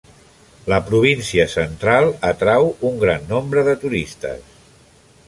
La província Central atrau un gran nombre de turistes.